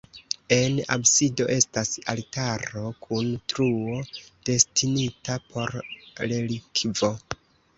En absido estas altaro kun truo destinita por relikvo.